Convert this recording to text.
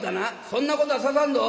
そんなことはささんぞ。